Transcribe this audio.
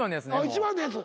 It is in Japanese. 一番のやつ。